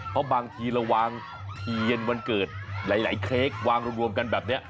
เพราะบางทีเราวางเทียนวันเกิดหลายเค้กวางรวมกันแบบนี้